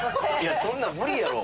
いやそんなん無理やろ。